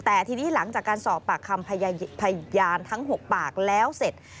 แต่ทีนี้หลังจากการสอบปากคำพยานทั้ง๖ปากแล้วเสร็จ